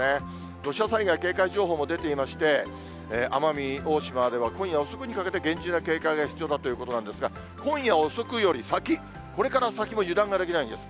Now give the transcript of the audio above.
土砂災害警戒情報も出ていまして、奄美大島では今夜遅くにかけて、厳重な警戒が必要だということなんですが、今夜遅くより先、これから先も油断ができないんです。